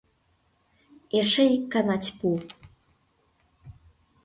Эше ик гана тьпу!